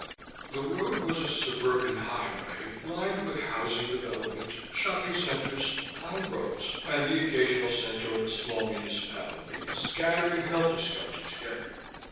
The road was a surburban highway lined with housing development, shopping centers, palm groves and the occasional center of a small municipality, scattering helterskelter together.